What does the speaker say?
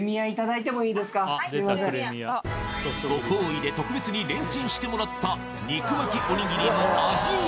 ご厚意で特別にレンチンしてもらった肉巻きおにぎりの味は？